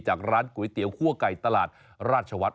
ร้านก๋วยเตี๋ยวคั่วไก่ตลาดราชวัฒน